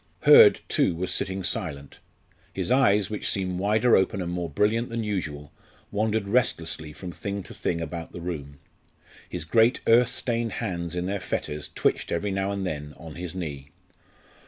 Hurd, too, was sitting silent. His eyes, which seemed wider open and more brilliant than usual, wandered restlessly from thing to thing about the room; his great earth stained hands in their fetters twitched every now and then on his knee.